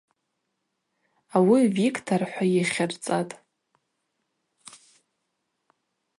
Ауи Виктор-хӏва йыхьырцӏатӏ.